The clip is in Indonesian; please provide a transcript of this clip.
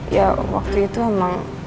ya waktu itu emang